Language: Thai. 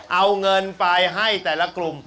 เอาเงินไปให้แต่ละกลุ่ม